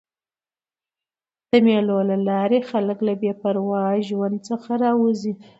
د مېلو له لاري خلک له بې پروا ژوند څخه راوځي.